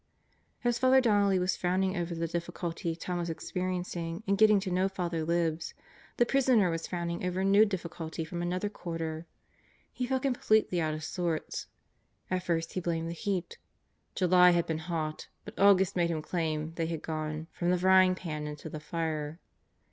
... As Father Donnelly was frowning over the difficulty Tom was experiencing in getting to know Father Libs, the prisoner was frowning over a new difficulty from another quarter. He felt completely out of sorts. At first he blamed the heat. July had been hot, but August made him claim they had gone "from the frying pan into the fire."